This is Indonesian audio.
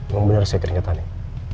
ngomong bener saya ternyata nih